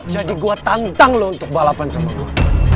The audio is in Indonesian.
jadi gue tantang lo untuk balapan sama gue